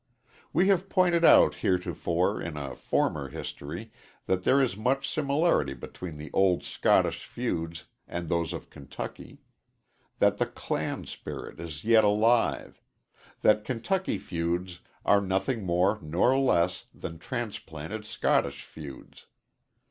We have pointed out heretofore in a former history that there is much similarity between the old Scottish feuds and those of Kentucky; that the clan spirit is yet alive; that Kentucky feuds are nothing more nor less than transplanted Scottish feuds.